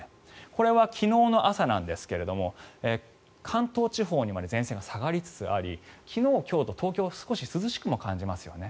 これは昨日の朝なんですが関東地方にまで前線が下がりつつあり昨日、今日と東京は少し涼しく感じますよね